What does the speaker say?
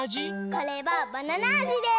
これはバナナあじです！